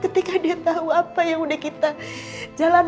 ketika dia tahu apa yang udah kita jalankan